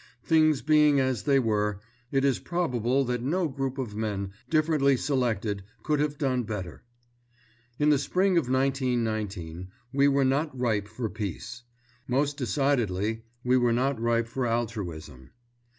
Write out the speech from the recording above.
Things being as they were, it is probable that no group of men, differently selected, could have done better. In the spring of 1919 we were not ripe for peace. Most decidedly we were not ripe for altruism.